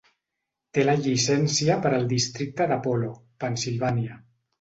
Té la llicència per al districte d'Apollo, Pennsilvània.